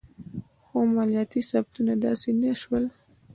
خو مالیاتي ثبتونه داسې نه شول.